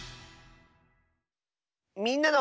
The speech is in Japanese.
「みんなの」。